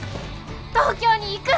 東京に行く！